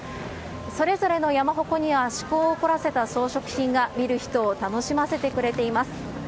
それぞれの山鉾には、趣向を凝らせた装飾品が見る人を楽しませてくれています。